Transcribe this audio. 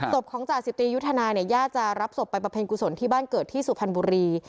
ศพของจ่าสิบตียุทธนาเนี่ยญาติจะรับศพไปประเพ็ญกุศลที่บ้านเกิดที่สุพรรณบุรี